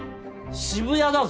渋谷だぞ？